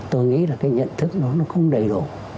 tôi nghĩ là cái nhận thức nó không đầy đủ